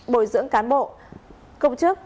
bồi dưỡng cán bộ công chức